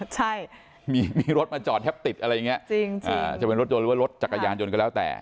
ใช่มีรถมาจอดแทบติดอะไรอย่างเงี้ยจริงจะเป็นรถจนรถจักรยานจนก็แล้วแต่